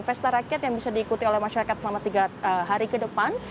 pesta rakyat yang bisa diikuti oleh masyarakat selama tiga hari ke depan